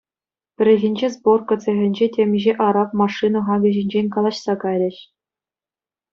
Пӗррехинче сборка цехӗнче темиҫе араб машина хакӗ ҫинчен калаҫса кайрӗҫ.